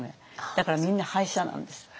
だからみんな敗者なんです。